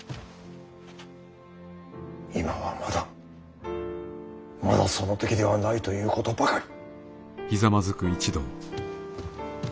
今はまだまだその時ではないということばかり。